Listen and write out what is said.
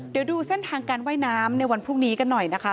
เดี๋ยวดูเส้นทางการว่ายน้ำในวันพรุ่งนี้กันหน่อยนะคะ